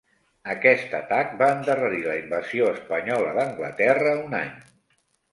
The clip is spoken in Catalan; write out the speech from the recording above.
Aquest atac va endarrerir la invasió espanyola d'Anglaterra un any.